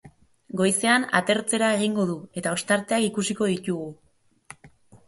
Goizean atertzera egingo du eta ostarteak ikusiko ditugu.